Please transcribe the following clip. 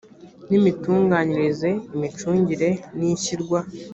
n imitunganyirize imicungire n ishyirwa